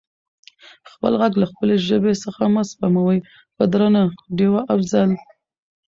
خپل غږ له خپلې ژبې څخه مه سپموٸ په درنښت ډیوه افضل🙏